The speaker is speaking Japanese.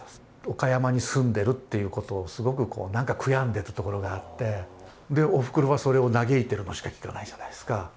岡山に住んでるっていうことをすごく何か悔やんでるところがあっておふくろはそれを嘆いてるのしか聞かないじゃないですか。